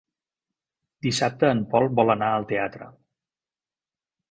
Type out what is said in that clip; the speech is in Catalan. Dissabte en Pol vol anar al teatre.